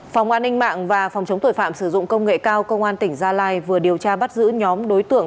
phòng an ninh mạng và phòng chống tội phạm sử dụng công nghệ cao công an tỉnh gia lai vừa điều tra bắt giữ nhóm đối tượng